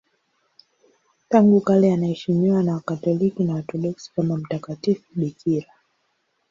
Tangu kale anaheshimiwa na Wakatoliki na Waorthodoksi kama mtakatifu bikira.